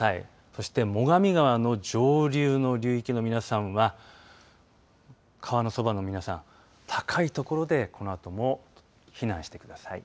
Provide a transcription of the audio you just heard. そして、最上川の上流の流域の皆さんは川のそばの皆さん高い所で、このあとも避難してください。